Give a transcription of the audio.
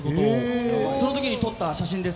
その時に撮った写真です。